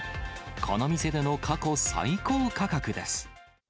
この店での過去最高価格です。